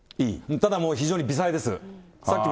ただもう非常に微細です。